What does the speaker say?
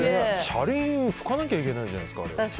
車輪拭かなきゃいけないじゃないですか。